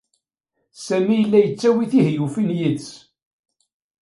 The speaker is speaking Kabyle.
Sami yella yettawi tihyufin yid-s.